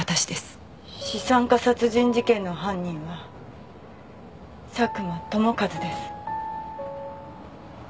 資産家殺害事件の犯人は佐久間友和です。